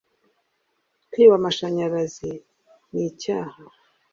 Kwiba amashanyarazi ni icyaha